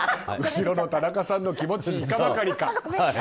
後ろの田中さんの気持ちいかばかりか。